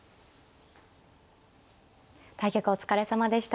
対局お疲れさまでした。